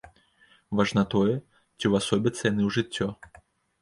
Важна тое, ці ўвасобяцца яны ў жыццё.